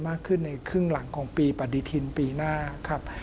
มากขึ้นในครึ่งหลังของปีปฏิทินปีหน้าครับ